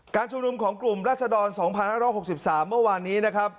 ชุมนุมของกลุ่มรัศดร๒๕๖๓เมื่อวานนี้นะครับ